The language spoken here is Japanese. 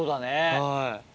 はい。